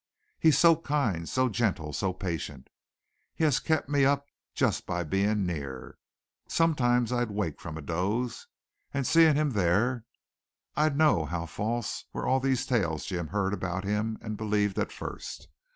"He's so kind, so gentle, so patient. He has kept me up just by being near. Sometimes I'd wake from a doze an', seeing him there, I'd know how false were all these tales Jim heard about him and believed at first.